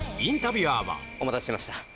お待たせしました。